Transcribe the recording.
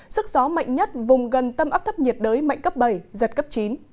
sức gió mạnh nhất vùng gần tâm áp thấp nhiệt đới mạnh cấp bảy giật cấp chín